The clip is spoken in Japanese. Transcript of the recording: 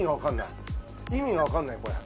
意味が分かんない、これ。